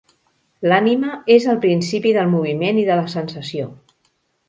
L'ànima és el principi del moviment i de la sensació.